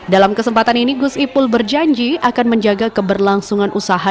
dalam kesempatan ini gus ipul berjanji akan menjaga keberlangsungan usaha